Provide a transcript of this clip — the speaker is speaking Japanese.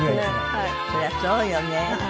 そりゃそうよね。